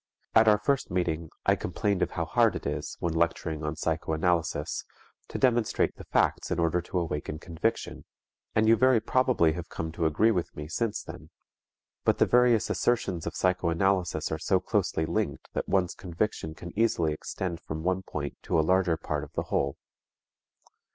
At our first meeting I complained of how hard it is, when lecturing on psychoanalysis, to demonstrate the facts in order to awaken conviction; and you very probably have come to agree with me since then. But the various assertions of psychoanalysis are so closely linked that one's conviction can easily extend from one point to a larger part of the whole.